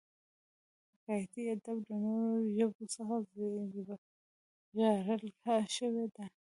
حکایتي ادب له نورو ژبو څخه ژباړل شوی دی